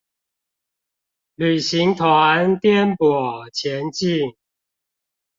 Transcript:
旅行團顛簸前進